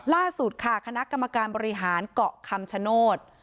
ล่าสุดค่ะคณะกรรมการบริหารเกาะคำชโนธ